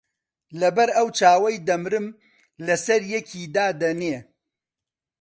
لەبەر ئەو چاوەی دەمرم لەسەر یەکی دادەنێ